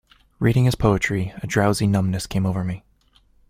Reading his poetry, a drowsy numbness came over me.